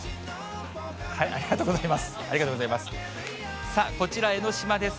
ありがとうございます。